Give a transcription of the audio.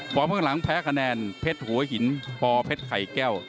ปอเพิ่งหลังแพ้คะแนนเผ็ดหัวหินปอเผ็ดไข่แก้ว